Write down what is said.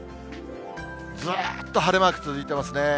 ずーっと晴れマーク続いてますね。